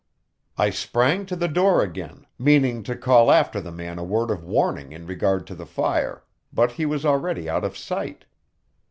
I sprang to the door again, meaning to call after the man a word of warning in regard to the fire, but he was already out of sight.